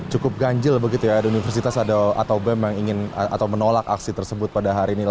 cukup ganjil begitu ya ada universitas atau bem yang ingin atau menolak aksi tersebut pada hari ini